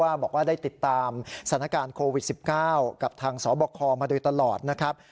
บอกว่าได้ติดตามสถานการณ์โควิด๑๙กับทางสบคมาโดยตลอดนะครับ